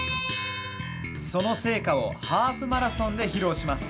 その成果をハーフマラソンで披露します。